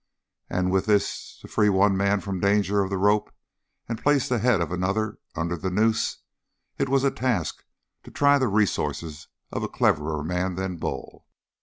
And with this to free one man from danger of the rope and place the head of another under the noose it was a task to try the resources of a cleverer man than Bull.